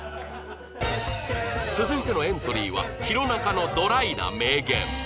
続いてのエントリーは弘中のドライな名言